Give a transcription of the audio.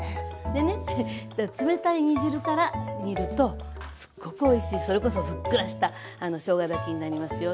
でね冷たい煮汁から煮るとすっごくおいしいそれこそふっくらしたしょうが炊きになりますよ。